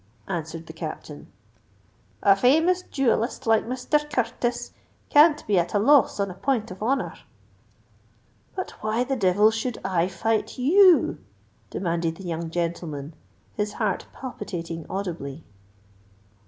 answered the Captain. "A famous duellist like Misther Curtis, can't be at a loss on a point of honour." "But why the devil should I fight you?" demanded the young gentleman, his heart palpitating audibly.